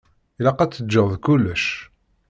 Ilaq ad teǧǧeḍ kullec.